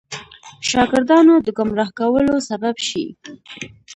شاګردانو د ګمراه کولو سبب شي.